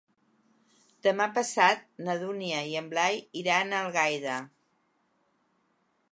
Demà passat na Dúnia i en Blai iran a Algaida.